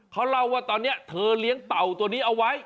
เขาเล่าว่าตอนนี้เธอเลี้ยงเต่าตัวนี้เอาไว้